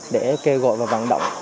để kêu gọi và vận động